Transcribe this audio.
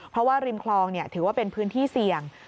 เพราะว่าริมคลองถือว่าเป็นพื้นที่เสี่ยง